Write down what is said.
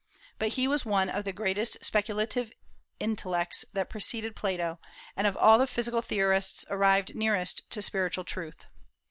But he was one of the greatest speculative intellects that preceded Plato, and of all the physical theorists arrived nearest to spiritual truth.